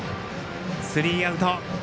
スリーアウト。